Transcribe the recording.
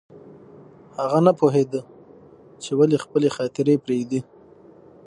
هغه نه پوهېده چې ولې خپلې خاطرې پرېږدي